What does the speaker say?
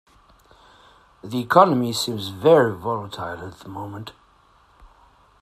The economy seems very volatile at the moment.